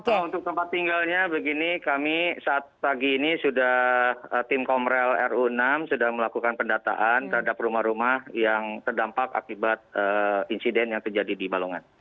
untuk tempat tinggalnya begini kami saat pagi ini sudah tim komrel ru enam sudah melakukan pendataan terhadap rumah rumah yang terdampak akibat insiden yang terjadi di balongan